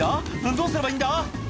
どうすればいいんだ？」